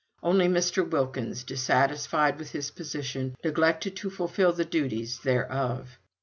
Only Mr. Wilkins, dissatisfied with his position, neglected to fulfil the duties thereof.